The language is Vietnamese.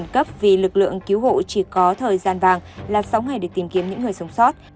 có thời gian vàng là sống hay được tìm kiếm những người sống sót